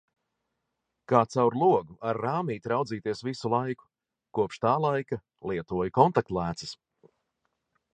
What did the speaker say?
Kā caur logu ar rāmīti raudzīties visu laiku. Kopš tā laika lietoju kontaktlēcas.